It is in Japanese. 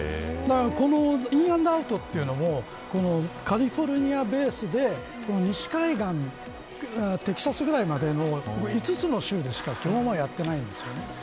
このインアンドアウトというのもカリフォルニアベースで西海岸、テキサスくらいまでの５つの州でしか基本やっていないんです。